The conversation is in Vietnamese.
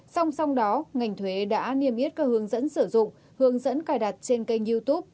song song đó ngành thuế đã niêm yết các hướng dẫn sử dụng hướng dẫn cài đặt trên kênh youtube